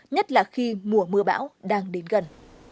nhất là khi mùa mưa bão đang đến gần